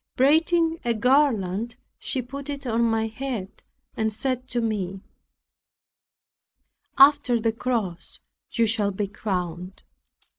Braiding a garland she put it on my head, and said to me, "After the cross you shall be crowned."